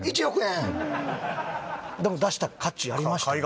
うんでも出した価値ありましたね